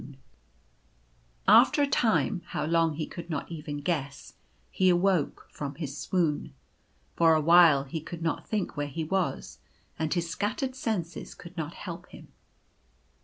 152 Desolation. After a time — how long he could not even guess — he awoke from his swoon. For awhile he could not think where he was ; and his scattered senses could not help him.